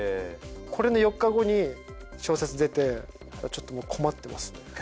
これの４日後に小説出てちょっともう困ってます。